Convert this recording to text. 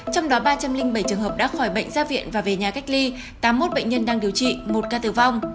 trong đó ba trăm linh bảy trường hợp đã khỏi bệnh ra viện và về nhà cách ly tám mươi một bệnh nhân đang điều trị một ca tử vong